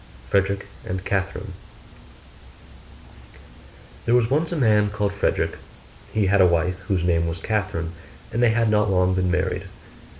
FREDERICK AND CATHERINE There was once a man called Frederick: he had a wife whose name was Catherine, and they had not long been married.